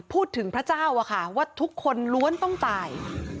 พระเจ้าอะค่ะว่าทุกคนล้วนต้องตาย